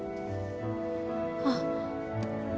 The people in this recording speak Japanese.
あっ。